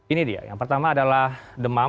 ini dia yang pertama adalah demam